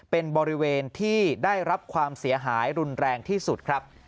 เป็นบริเวณที่ได้รับความเสียหายรุนแรงที่สุดครับ